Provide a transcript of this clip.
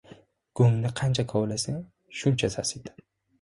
• Go‘ngni qancha kovlasang, shuncha sasiydi.